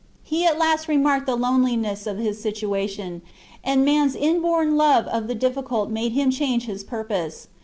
He at last remarked the loneliness of his situation, and man's inborn love of the difficult made him change his purpose.